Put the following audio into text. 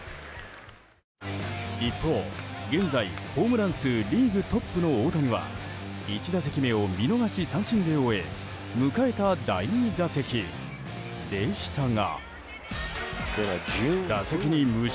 一方、現在ホームラン数リーグトップの大谷は１打席目を見逃し三振で終え迎えた第２打席でしたが。